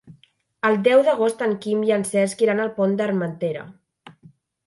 El deu d'agost en Quim i en Cesc iran al Pont d'Armentera.